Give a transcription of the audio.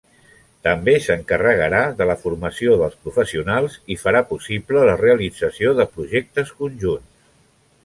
També s'encarregarà de la formació dels professionals i farà possible la realització de projectes conjunts.